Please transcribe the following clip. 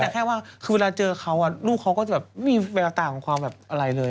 แต่แค่ว่าคือเวลาเจอเขาลูกเขาก็จะแบบไม่มีแววตาของความแบบอะไรเลย